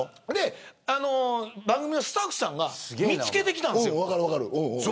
番組のスタッフさんが見つけてきたんですよ。